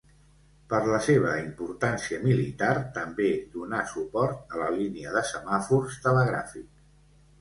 Per la seva importància militar, també donà suport a la línia de semàfors telegràfics.